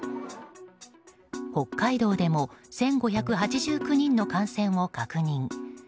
北海道でも１５８９人の感染を確認。